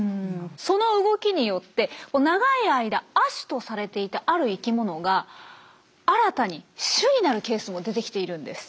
その動きによって長い間亜種とされていたある生きものが新たに種になるケースも出てきているんです。